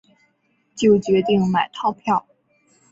就决定买套票